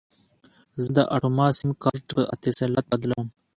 زه د اټوما سیم کارت په اتصالات بدلوم.